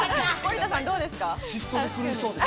嫉妬で狂いそうです。